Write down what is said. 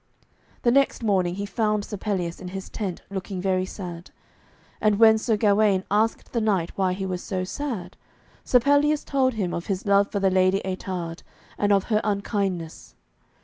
The next morning he found Sir Pelleas in his tent, looking very sad. And when Sir Gawaine asked the knight why he was so sad, Sir Pelleas told him of his love for the Lady Ettarde and of her unkindness.